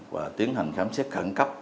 và tiến hành khám xét khẩn cấp